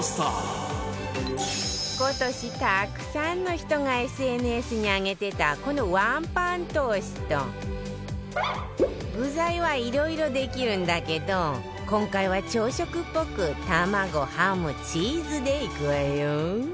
今年たくさんの人が ＳＮＳ に上げてたこのワンパントースト具材はいろいろできるんだけど今回は朝食っぽく卵ハムチーズでいくわよ